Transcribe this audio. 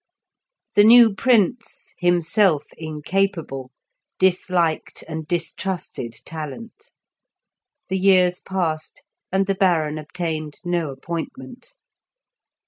The new Prince, himself incapable, disliked and distrusted talent. The years passed, and the Baron obtained no appointment.